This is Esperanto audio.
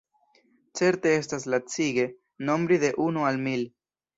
Certe estas lacige nombri de unu al mil.